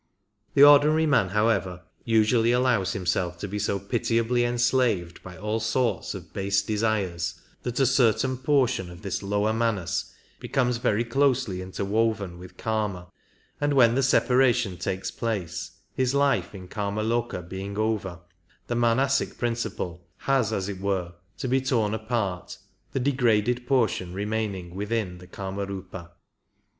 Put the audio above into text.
The ordinary man, however, usually allows himself to be so pitiably enslaved by all sorts of base desires that a certain portion of this lower Manas becomes 35 very closely interwoven with Kama, and when the separation takes place, his life in Kamaloka being over, the manasic principle has, as it were, to be torn apart, the degraded portion remaining within the Kamariipa.